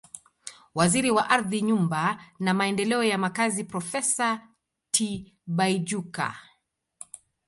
Waziri wa Ardhi Nyumba na Maendeleo ya Makazi Profesa Tibaijuka